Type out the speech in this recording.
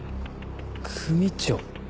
組長。